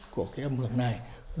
của cái âm hưởng này